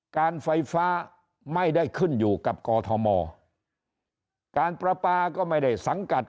การไฟฟ้าไม่ได้ขึ้นอยู่กับกอทมการประปาก็ไม่ได้สังกัด